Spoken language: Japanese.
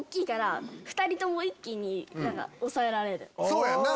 そうやんな！